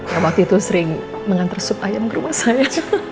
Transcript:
yang waktu itu sering mengantar sup ayam ke rumah saya